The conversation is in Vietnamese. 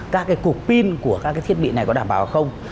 các cục pin của các thiết bị này có đảm bảo không